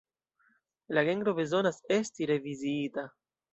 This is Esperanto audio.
La genro bezonas esti reviziita.